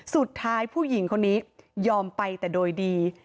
สุดท้ายผู้หญิงคนนี้ยอมไปแต่โดยดี